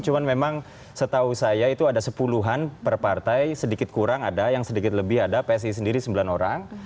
cuma memang setahu saya itu ada sepuluhan per partai sedikit kurang ada yang sedikit lebih ada psi sendiri sembilan orang